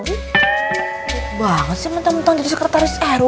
gitu banget sih mentang mentang jadi sekretaris rw